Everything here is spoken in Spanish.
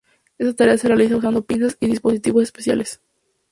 Esta tarea se realiza usando pinzas y dispositivos especiales.